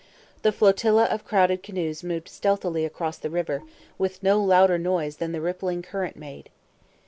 The flotilla of crowded canoes moved stealthily across the river, with no louder noise than the rippling current made.